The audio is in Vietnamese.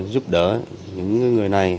giúp đỡ những người này